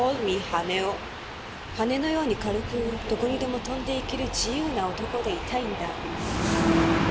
「羽のように軽くどこにでも飛んでいける」「自由な男でいたいんだ」